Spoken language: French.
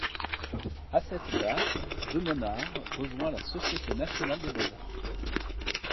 À cette date, de Monard rejoint la Société nationale des beaux-arts.